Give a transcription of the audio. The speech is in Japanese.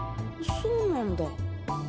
そうなんだ。